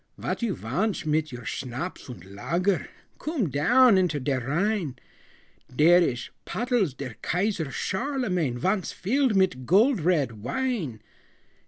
"Vot you vantsh mit your schnapps und lager? Coom down into der Rhine! Der ish pottles der Kaiser Charlemagne Vonce filled mit gold red wine!"